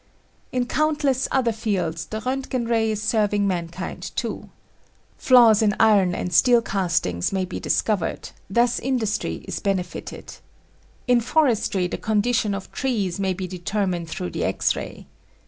J C In countless other fields the Roentgen ray is serving mankind too. Flaws in iron and steel castings may be discovered; thus industry is benefited. In forestry the condition of trees may be determined through the X ray.